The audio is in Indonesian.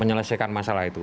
menyelesaikan masalah itu